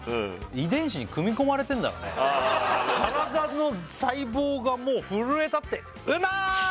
遺伝子に組み込まれてるんだろうね体の細胞がもう奮い立ってうまーい！